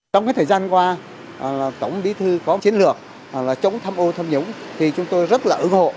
trong thời gian qua tổng bí thư có chiến lược chống tham ô tham nhũng thì chúng tôi rất là ủng hộ